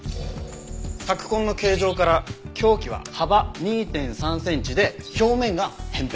索痕の形状から凶器は幅２．３センチで表面が扁平。